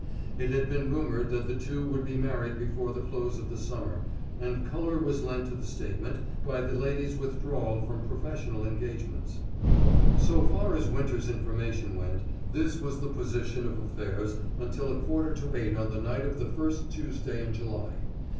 It had been rumored that the two would be married before the close of the summer, and color was lent to the statement by the lady's withdrawal from professional engagements. So far as Winter's information went, this was the position of affairs until a quarter to eight on the night of the first Tuesday in July.